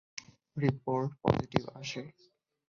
Report positive আসে।